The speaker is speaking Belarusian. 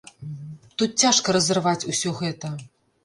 Тут цяжка разарваць усё гэта.